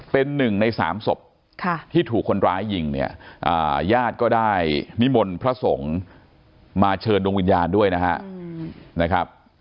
เป็นหนึ่งในสามศพที่ถูกคนร้ายยิงเนี่ยญาติก็ได้นิมนต์พระสงฆ์มาเชิญดวงวิญญาณด้วยนะครับ